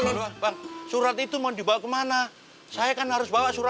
biasa aja reaksinya biasa